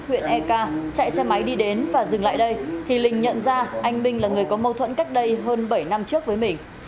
huyện ek chạy xe máy đi đến và dừng lại đây thì linh nhận ra anh minh là người có mâu thuẫn cách đây hơn bảy năm trước với mình